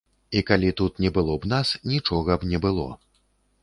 І калі тут не было б нас, нічога б не было.